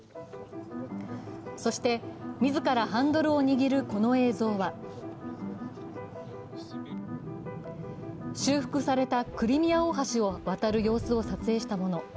そして自らハンドルを握るこの映像は修復されたクリミア大橋を渡る様子を撮影したもの。